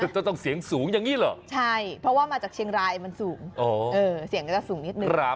ต้องเสียงสูงอย่างนี้เหรอใช่เพราะว่ามาจากเชียงรายมันสูงเสียงก็จะสูงนิดนึง